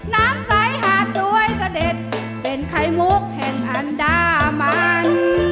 น้ำใสหาดสวยเสด็จเป็นไข่มุกแห่งอันดามัน